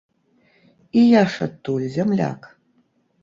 І я ж адтуль, зямляк!